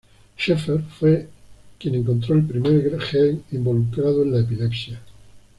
Scheffer fue quien encontró el primer gen involucrado en la epilepsia.